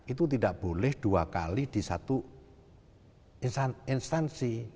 itu tidak boleh dua kali di satu instansi